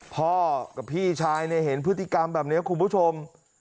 พ่อกับพี่ชายเห็นพฤติกรรมแบบนี้คุณผู้ชม